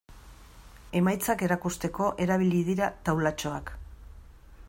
Emaitzak erakusteko erabili dira taulatxoak.